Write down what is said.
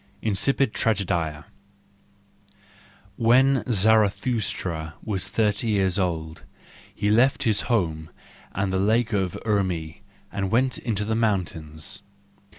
Incipit Tragcedia .—When Zarathustra was thirty years old, he left his home and the Lake of Urmi, and went into the mountains.